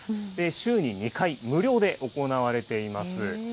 週に２回、無料で行われています。